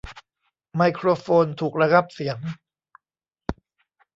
ไมโครโฟนถูกระงับเสียง